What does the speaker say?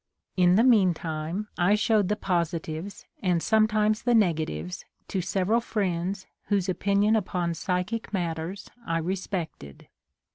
In the meantime, I showed the pos itives, and sometimes the negatives, to sev eral friends whose opinion upon psychic matters I respected.